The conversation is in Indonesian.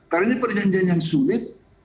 karena ini perjanjian yang sulit